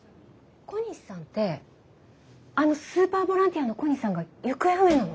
小西さんってあのスーパーボランティアの小西さんが行方不明なの？